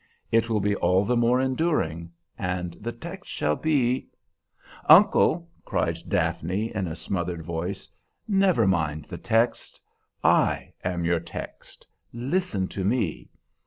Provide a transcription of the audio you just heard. It will be all the more enduring, and the text shall be" "Uncle," cried Daphne in a smothered voice, "never mind the text! I am your text! Listen to me!